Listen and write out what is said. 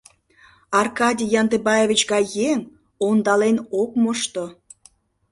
Аркадий Яндыбаевич гай еҥ ондален ок мошто...